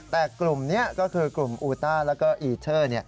แต่กลุ่มนี้ก็คือกลุ่มอูต้าแล้วก็อีเชอร์